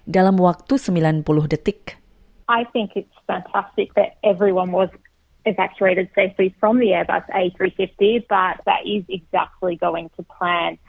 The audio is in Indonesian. dalam wabah wabah yang diperlukan